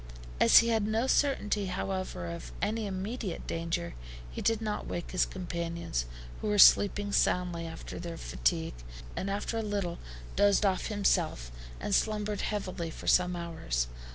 As he had no certainty, however, of any immediate danger, he did not wake his companions, who were sleeping soundly after their fatigue, and after a little dozed off himself, and slumbered heavily for some hours.